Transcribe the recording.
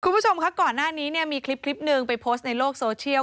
คุณผู้ชมค่ะก่อนหน้านี้เนี่ยมีคลิปหนึ่งไปโพสต์ในโลกโซเชียล